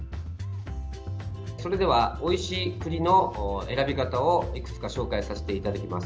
それでは、おいしい栗の選び方をいくつか紹介させていただきます。